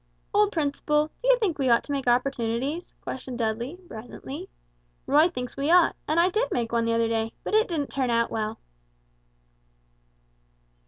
"Old Principle, do you think we ought to make opportunities?" questioned Dudley, presently; "Roy thinks we ought, and I did make one the other day, but it didn't turn out well."